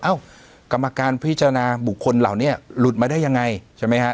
กรรมการพิจารณาบุคคลเหล่านี้หลุดมาได้ยังไงใช่ไหมฮะ